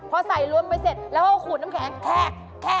พอใส่รวมไปเสร็จแล้วก็ขูดน้ำแข็ง